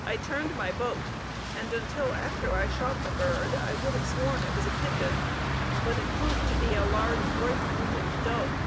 I turned my boat and until after I shot the bird, I would have sworn it was a pigeon, but it proved to be a large, bright plumaged dove.